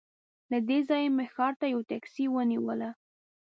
له دې ځایه مې ښار ته یوه ټکسي ونیوله.